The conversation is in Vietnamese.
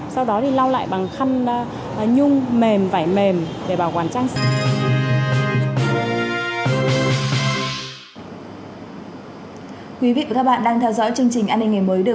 sau đó thì lau lại bằng khăn nhung mềm vải mềm để bảo quản trang sức